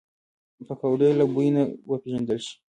پکورې له بوی نه وپیژندل شي